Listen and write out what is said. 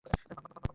বাক, বাক, বাক!